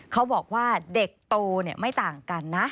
เขาบอกว่าเด็กโตไม่ต่างกันนะ